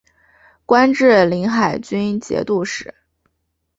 官至临海军节度使。